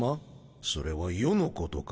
それは余のことか？